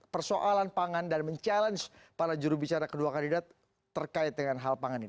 persoalan pangan dan mencabar para jurubicara kedua kandidat terkait dengan hal pangan ini